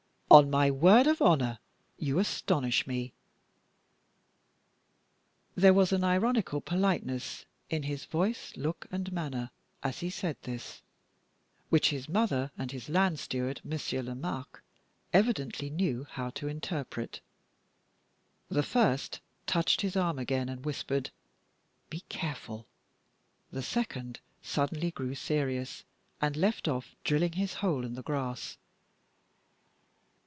On my word of honor, you astonish me!" There was an ironical politeness in his voice, look, and manner as he said this, which his mother and his land steward, Monsieur Lomaque, evidently knew how to interpret. The first touched his arm again and whispered, "Be careful!" the second suddenly grew serious, and left off drilling his hole in the grass.